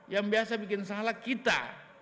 yang biasa bikin salah kita